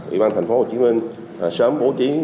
ủy ban tp hcm sớm bố trí